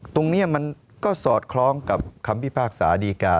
ตรงนี้มันก็สอดคล้องกับคำพิพากษาดีกา